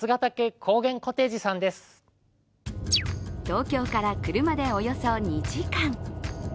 東京から車でおよそ２時間。